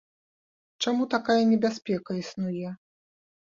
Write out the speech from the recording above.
Чаму такая небяспека існуе?